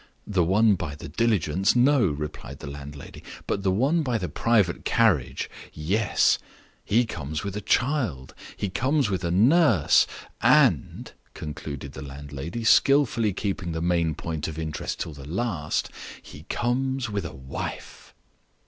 "The one by the diligence no," replied the landlady. "But the one by the private carriage yes. He comes with a child; he comes with a nurse; and," concluded the landlady, skillfully keeping the main point of interest till the last, "he comes with a Wife."